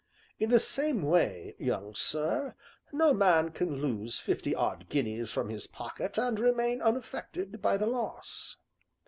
In the same way, young sir, no man can lose fifty odd guineas from his pocket and remain unaffected by the loss."